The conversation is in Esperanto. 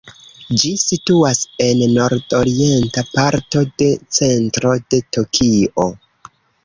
Ĝi situas en nord-orienta parto de centro de Tokio.